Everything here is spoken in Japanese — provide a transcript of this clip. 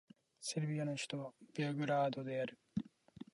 セルビアの首都はベオグラードである